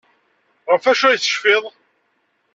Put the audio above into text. Ɣef wacu ay tecfiḍ?